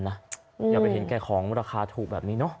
อย่าไปเห็นแก่ของราคาถูกแบบนี้เนอะ